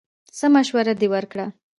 څه مشوره دې ورکړه!